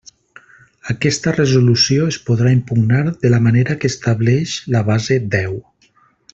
Aquesta resolució es podrà impugnar de la manera que estableix la base deu.